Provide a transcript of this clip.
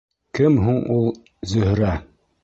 — Кем һуң ул Зөһрә?